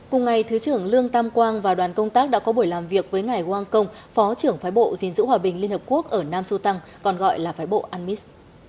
cùng ngày thứ trưởng lương tam quang và đoàn công tác đã có buổi làm việc với ngài quang công phó trưởng phái bộ dình dữ hòa bình liên hợp quốc ở nam su đăng còn gọi là phái bộ an mis